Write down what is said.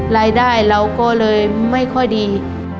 รายได้เราก็เลยไม่ค่อยดี